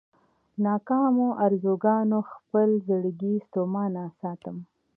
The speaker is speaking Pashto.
ناکامو ارزوګانو خپل زړګی ستومانه ساتم.